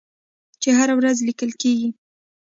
چې هره ورځ لیکل کیږي.